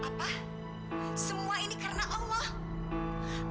apa semua ini karena allah